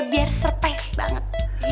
biar surprise banget